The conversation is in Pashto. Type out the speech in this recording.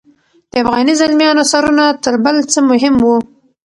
د افغاني زلمیانو سرونه تر بل څه مهم وو.